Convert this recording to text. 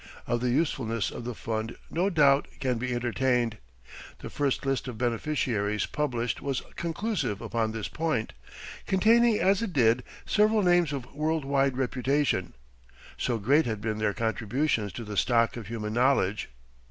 Of the usefulness of the fund no doubt can be entertained. The first list of beneficiaries published was conclusive upon this point, containing as it did several names of world wide reputation, so great had been their contributions to the stock of human knowledge.